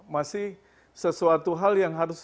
masih sesuatu hal yang harus